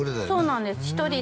そうなんです